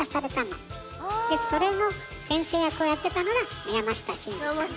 でそれの先生役をやってたのが山下真司さんなの。